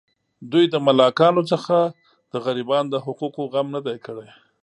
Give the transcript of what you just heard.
دوی د ملاکانو څخه د غریبانو د حقوقو غم نه دی کړی.